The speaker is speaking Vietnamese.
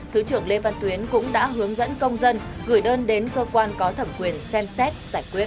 thứ trưởng lê văn tuyến cũng đã hướng dẫn công dân gửi đơn đến cơ quan có thẩm quyền xem xét giải quyết